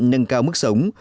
nâng cao mức sống